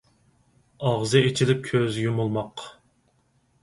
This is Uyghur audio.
ئاغزى ئېچىلىپ كۆزى يۇمۇلماق.